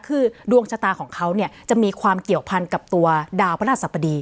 คือดวงชะตาของเขาเนี่ยจะมีความเกี่ยวพันกับตัวดาวพระราชสัปดี